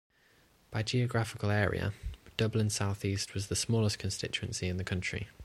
By geographical area, Dublin South-East was the smallest constituency in the country.